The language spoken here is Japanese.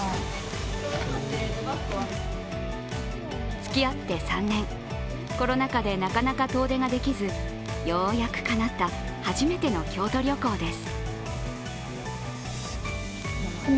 つきあって３年、コロナ禍でなかなか遠出ができず、ようやくかなった初めての京都旅行です。